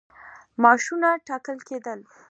معاشونه ټاکل کېدل.